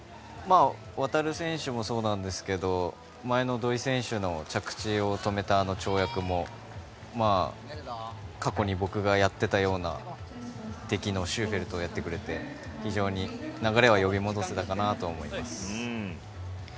航選手もそうなんですけど前の土井選手の着地を止めたあの跳躍も過去に僕がやっていたような出来のシューフェルトをやってくれて流れを呼び戻せたかなと思います。